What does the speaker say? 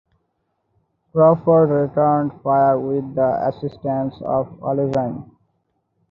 Crawford returned fire with the assistance of Olivine.